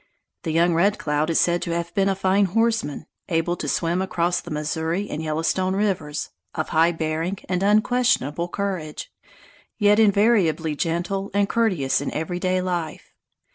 The young Red Cloud is said to have been a fine horseman, able to swim across the Missouri and Yellowstone rivers, of high bearing and unquestionable courage, yet invariably gentle and courteous in everyday life.